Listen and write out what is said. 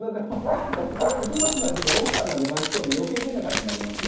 だってそれはもう日村さん家の奥さんまで巻き込んで余計変な感じになりますよ。